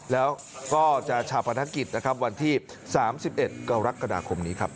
แล้วก็จะชาปนกิจนะครับวันที่๓๑กรกฎาคมนี้ครับ